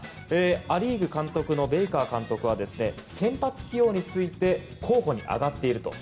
ア・リーグ監督のベイカー監督は先発起用について候補に挙がっていると。